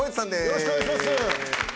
よろしくお願いします。